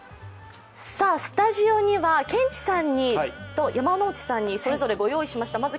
スタジオにはケンチさんと山内さんにそれぞれご用意しました。